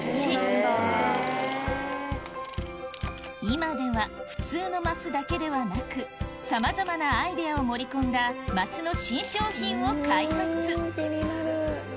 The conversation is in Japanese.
今では普通の枡だけではなくさまざまなアイデアを盛り込んだ枡の新商品を開発気になる。